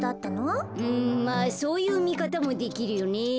うんまあそういうみかたもできるよね。